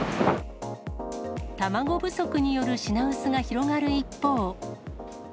卵不足による品薄が広がる一方。